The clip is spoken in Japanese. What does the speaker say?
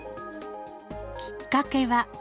きっかけは。